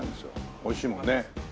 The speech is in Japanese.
おいしいもんね。